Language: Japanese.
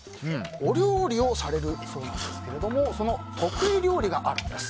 お料理をされるそうなんですがその得意料理があるんです。